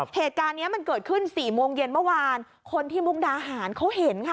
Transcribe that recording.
เหตุการณ์เนี้ยมันเกิดขึ้นสี่โมงเย็นเมื่อวานคนที่มุกดาหารเขาเห็นค่ะ